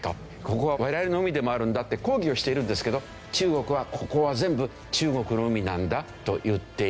ここは我々の海でもあるんだって抗議をしているんですけど中国はここは全部中国の海なんだと言っている。